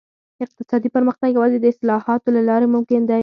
اقتصادي پرمختګ یوازې د اصلاحاتو له لارې ممکن دی.